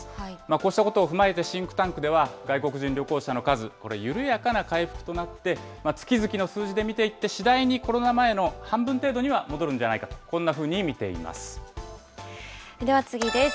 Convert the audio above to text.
こうしたことを踏まえて、シンクタンクでは、外国人旅行者の数、これ、緩やかな回復となって、月々の数字で見ていって、次第にコロナ前の半分程度には戻るんじゃないかと、こんなふうに見ています。